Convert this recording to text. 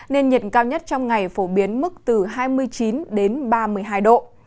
nên nhiệt cao nhất trong ngày phổ biến mức từ hai mươi chín đến ba mươi hai độ